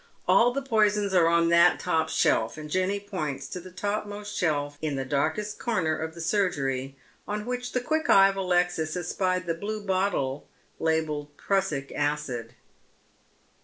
All the poisons are on that top shelf," and Jenny points to the topmost shelf in the darkest corner of the surgery, on which the quick eye of Alexis espied the blue bottle labelled prussic acid.